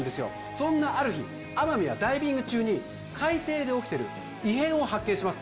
そんなある日天海はダイビング中に海底で起きてる異変を発見します